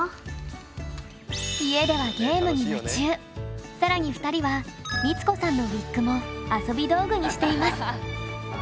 家ではさらに２人は光子さんのウィッグも遊び道具にしています。